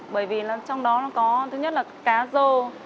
bởi vì trong đó nó có thứ nhất là cá rô